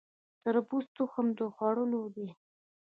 د تربوز تخم د خوړلو دی؟